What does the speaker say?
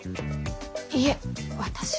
いえ私は。